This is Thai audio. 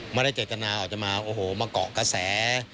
ไม่ได้เจตนาออกจะมาโอ้โหมาเกาะกระแส